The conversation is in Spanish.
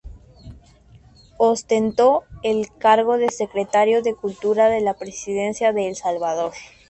Ostentó el cargo de Secretario de Cultura de la Presidencia de El Salvador.